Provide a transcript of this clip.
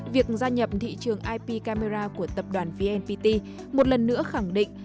việc gia nhập thị trường ip camera của tập đoàn vnpt một lần nữa khẳng định